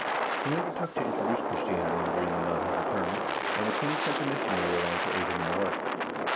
He under took to introduce Christianity in Greenland on his return, and the king sent a missionary along to aid him in the work.